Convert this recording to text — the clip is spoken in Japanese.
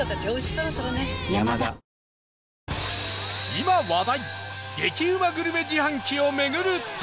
今話題激うまグルメ自販機を巡る旅